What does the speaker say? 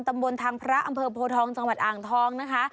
ตำบลทางพระอำเภอโพทองจังหวัดอ่างทองนะคะ